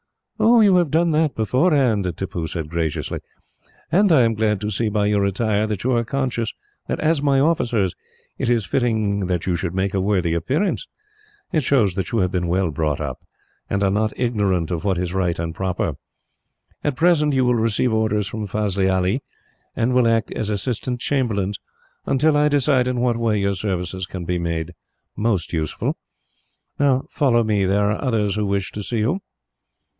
"You have done that beforehand," Tippoo said graciously, "and I am glad to see, by your attire, that you are conscious that, as my officers, it is fitting you should make a worthy appearance. It shows that you have been well brought up, and are not ignorant of what is right and proper. "At present, you will receive orders from Fazli Ali, and will act as assistant chamberlains, until I decide in what way your services can be made most useful. "Now, follow me. There are others who wish to see you."